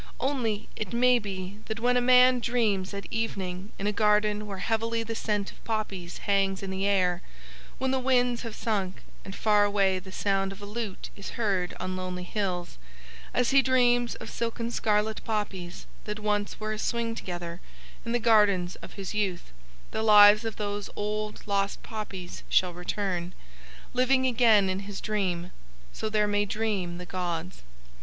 Only it may be that when a man dreams at evening in a garden where heavily the scent of poppies hangs in the air, when the winds have sunk, and far away the sound of a lute is heard on lonely hills, as he dreams of silken scarlet poppies that once were a swing together in the gardens of his youth, the lives of those old lost poppies shall return, living again in his dream. _So there may dream the gods.